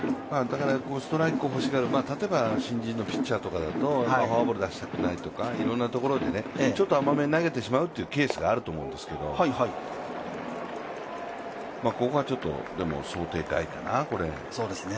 ストライクを欲しがる、例えば新人のピッチャーだとフォアボール出したくないとかいろいろなところで甘めに投げてしまうケースがあると思うんですけど、ここは想定外だな、これ。